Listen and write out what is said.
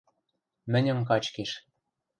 Мӹньӹм качкеш...